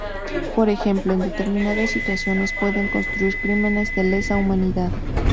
Por ejemplo, en determinadas situaciones pueden constituir crímenes de lesa humanidad.